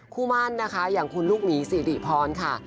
คู่มั่นนะคะอย่างคุณลูกหมีสิริพรค่ะ